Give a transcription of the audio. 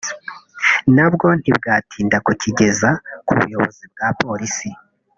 nabwo ntibwatinda kukigeza ku buyobozi bwa Polisi